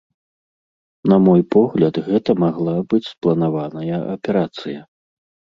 На мой погляд, гэта магла быць спланаваная аперацыя.